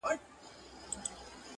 اورېدلې مي په کور کي له کلو ده؛